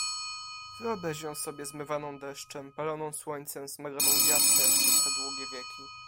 "Wyobraź ją sobie zmywaną deszczem, paloną słońcem, smaganą wiatrem przez te długie wieki."